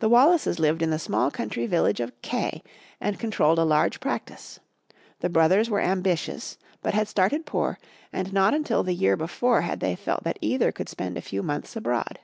The Wallaces lived in the small country village of K and controlled a large practice. The brothers were ambitious, but had started poor, and not until the year before had they felt that either could spend a few months abroad.